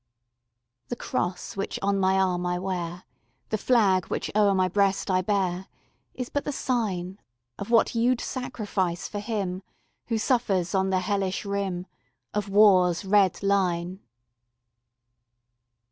The cross which on my arm I wear, The flag which o'er my breast I bear, Is but the sign Of what you 'd sacrifice for him Who suffers on the hellish rim Of war's red line.